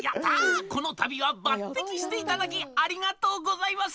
この度は、抜てきしていただきありがとうございます！